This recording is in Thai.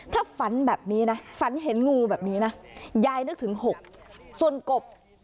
ถ้าฝันแบบนี้นะฝันเห็นงูแบบนี้นะยายนึกถึง๖ส่วนกบ